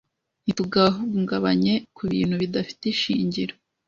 Ntitugahungabanye kubintu bidafite ishingiro.